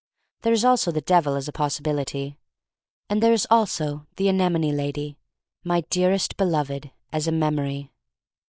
There is also the Devil — as a possi bility. And there is also the anemone lady — my dearest beloved — as a memory.